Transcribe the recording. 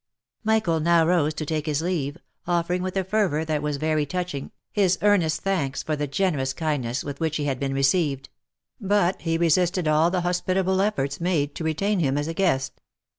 Michael now rose to take his leave, offering with a fervour that was very touching, his earnest thanks for the generous kindness with which he had been received ; but he resisted all the hospitable efforts made to retain him as a guest.